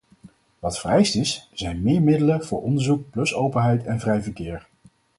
Wat vereist is, zijn meer middelen voor onderzoek, plus openheid en vrij verkeer.